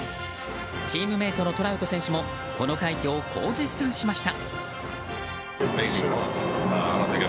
チームメートのトラウト選手もこの快挙をこう絶賛しました。